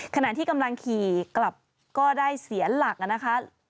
ขณะที่กำลังขี่กลับก็ได้เสียหลักนะคะ